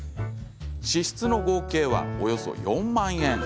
支出の合計はおよそ４万円。